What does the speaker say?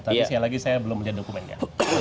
tapi sekali lagi saya belum melihat dokumennya